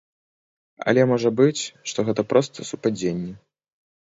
Але можа быць, што гэта проста супадзенне.